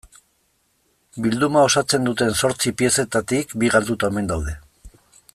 Bilduma osatzen duten zortzi piezetatik bi galduta omen daude.